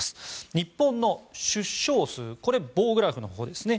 日本の出生数これ、棒グラフのほうですね